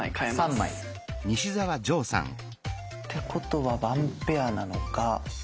３枚。ってことはワンペアなのか？